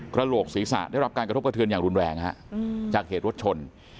โหลกศีรษะได้รับการกระทบกระเทือนอย่างรุนแรงฮะจากเหตุรถชน